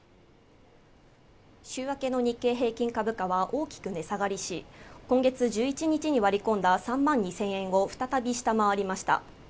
週明けの日経平均株価は大きく値下がりし今月１１日に割り込んだ３万２０００円を再び下回りました